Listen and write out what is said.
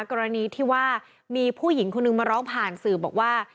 กรณีที่ว่ามีผู้หญิงคนนึงมาร้องผ่านสื่อบอกว่า